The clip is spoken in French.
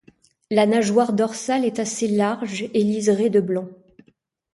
La nageoire dorsale est assez large et liserée de blanc.